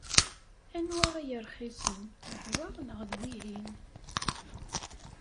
Anwa ay rxisen, d wa neɣ d wihin?